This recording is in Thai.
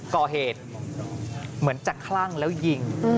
ก่อเหตุเหมือนจะคลั่งแล้วยิง